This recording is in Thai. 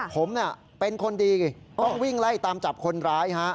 ผมเป็นคนดีต้องวิ่งไล่ตามจับคนร้ายฮะ